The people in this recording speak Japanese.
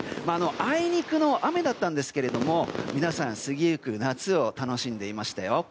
あいにくの雨だったんですけど皆さん、過ぎ行く夏を楽しんでいましたよ。